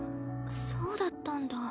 そうだったんだ。